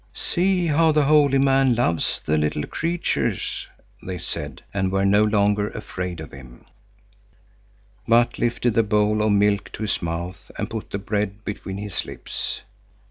"See how the holy man loves the little creatures," they said, and were no longer afraid of him, but lifted the bowl of milk to his mouth and put the bread between his lips.